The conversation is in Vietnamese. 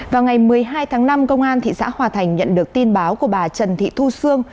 vào ngày một mươi hai tháng năm công an thị xã hòa thành nhận được tin báo của bà trần thị thu sương